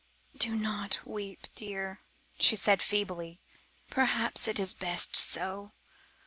"Do not weep, dear," she said feebly. "Perhaps it is best so.